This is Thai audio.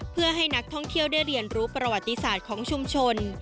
เพื่อให้นักท่องเที่ยวได้เรียนรู้ประวัติศาสตร์ของชุมชน